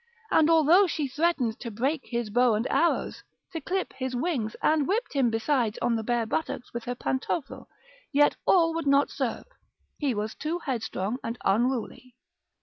And although she threatened to break his bow and arrows, to clip his wings, and whipped him besides on the bare buttocks with her pantofle, yet all would not serve, he was too headstrong and unruly.